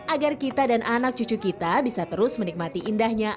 agar kita dan anak cucu kita bisa terus menikmati indahnya